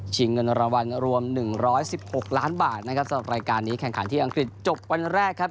เงินรางวัลรวม๑๑๖ล้านบาทนะครับสำหรับรายการนี้แข่งขันที่อังกฤษจบวันแรกครับ